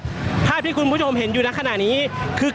ก็น่าจะมีการเปิดทางให้รถพยาบาลเคลื่อนต่อไปนะครับ